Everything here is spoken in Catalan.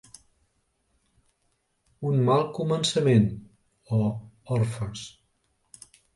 Un mal començament: o, Orfes!